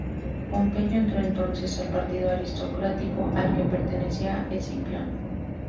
Pompeyo entró entonces al partido aristocrático al que pertenecía Escipión.